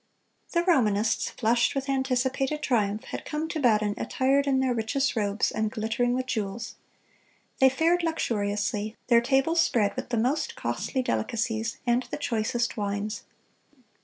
(260) The Romanists, flushed with anticipated triumph, had come to Baden attired in their richest robes and glittering with jewels. They fared luxuriously, their tables spread with the most costly delicacies and the choicest wines.